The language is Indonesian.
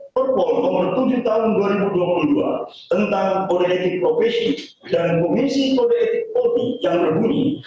perpol nomor tujuh tahun dua ribu dua puluh dua tentang kode etik profesi dan komisi kode etik polri jalan berbunyi